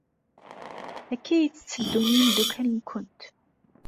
Akka ay tetteddum i yimeddukal-nwent?